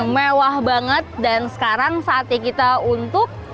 mewah banget dan sekarang saatnya kita untuk